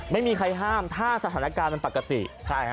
ไม่มีใครห้ามถ้าสถานการณ์มันปกติใช่ฮะ